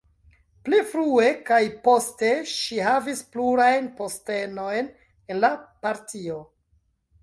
Pli frue kaj poste ŝi havis plurajn postenojn en la partio.